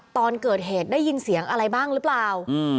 ตอนเกิดเหตุได้ยินเสียงอะไรบ้างหรือเปล่า